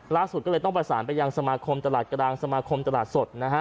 ล่าสุดก็เลยต้องประสานไปยังสมาคมตลาดกลางสมาคมตลาดสดนะฮะ